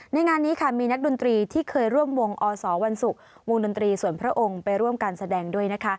งานนี้มีนักดนตรีที่เคยร่วมวงอสวันศุกร์วงดนตรีส่วนพระองค์ไปร่วมการแสดงด้วยนะคะ